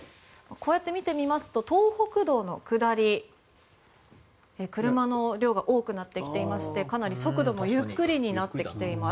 こうやって見てみますと東北道の下り車の量が多くなってきていましてかなり速度もゆっくりになってきています。